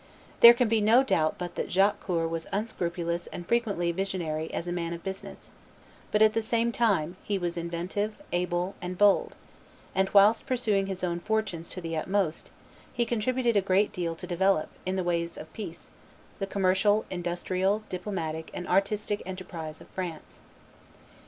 There can be no doubt but that Jacques Coeur was unscrupulous and frequently visionary as a man of business; but, at the same time, he was inventive, able, and bold, and, whilst pushing his own fortunes to the utmost, he contributed a great deal to develop, in the ways of peace, the commercial, industrial, diplomatic, and artistic enterprise of France.